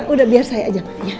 udah biar saya ajak